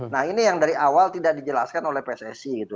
nah ini yang dari awal tidak dijelaskan oleh pssi gitu